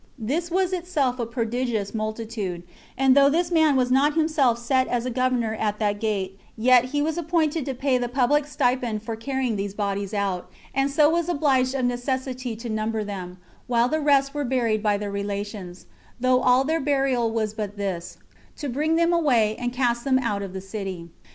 This was itself a prodigious multitude; and though this man was not himself set as a governor at that gate, yet was he appointed to pay the public stipend for carrying these bodies out, and so was obliged of necessity to number them, while the rest were buried by their relations; though all their burial was but this, to bring them away, and cast them out of the city.